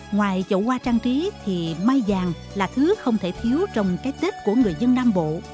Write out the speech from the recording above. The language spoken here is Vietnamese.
ngoài chậu hoa trang trí thì mai vàng là thứ không thể thiếu trong cái tết của người dân nam bộ